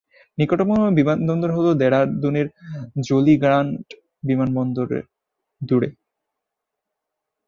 নিকটতম বিমানবন্দর হল দেরাদুনের জলি গ্রান্ট বিমানবন্দর, দূরে।